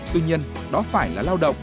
tuy nhiên đó phải là lao động